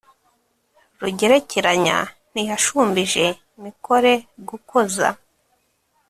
rugerekeranya ntiyashumbije mikore gukoza,